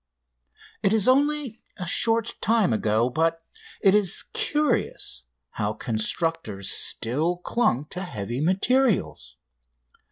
It is only a short time ago, but it is curious how constructors still clung to heavy materials.